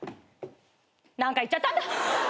何か言っちゃったんだ。